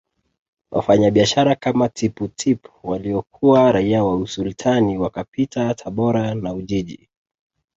Wafanyabiashara kama Tippu Tip waliokuwa raia wa Usultani wakapita Tabora na Ujiji